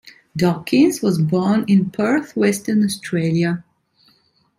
Dawkins was born in Perth, Western Australia.